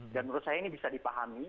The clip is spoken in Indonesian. dan menurut saya ini bisa dipahami